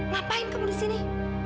ngapain kamu disini